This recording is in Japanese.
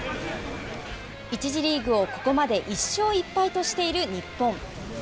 １次リーグをここまで１勝１敗としている日本。